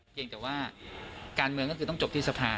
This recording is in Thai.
เพียงแต่ว่าการเมืองก็คือต้องจบที่สภา